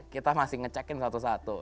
kita masih ngecekin satu satu